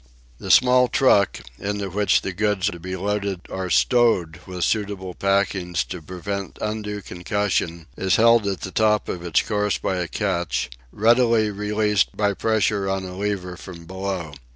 The small truck, into which the goods to be loaded are stowed with suitable packings to prevent undue concussion, is held at the top of its course by a catch, readily released by pressure on a lever from below.